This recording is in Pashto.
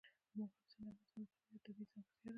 مورغاب سیند د افغانستان یوه طبیعي ځانګړتیا ده.